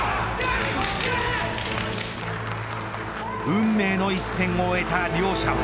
運命の一戦を終えた両者は。